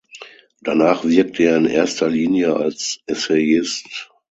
Danach wirkte er in erster Linie als Essayist.